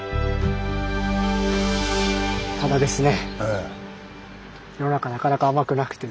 ただですね